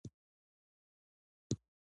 پوهنې وزارت ښوونځي جوړوي